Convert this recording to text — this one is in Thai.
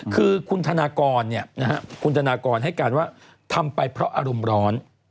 คือคุณธนากรคุณธนากรให้การว่าทำไปเพราะอารมณ์ร้อน